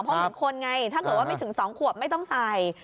เพราะเหมือนคนไงถ้าเกิดว่าไม่ถึง๒ขวบไม่ต้องใส่